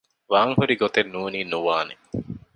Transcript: ވާންހުރި ގޮތެއް ނޫނީ ނުވާނެ